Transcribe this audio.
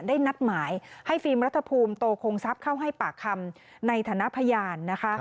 ได้นัดหมายให้ฟิล์มรัฐภูมิโตคงทรัพย์เข้าให้ปากคำในฐานะพยานนะคะ